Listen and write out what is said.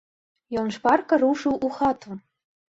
Ён шпарка рушыў у хату.